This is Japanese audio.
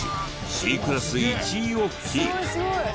Ｃクラス１位をキープ。